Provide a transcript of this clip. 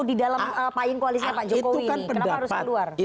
di dalam koalisnya pak jokowi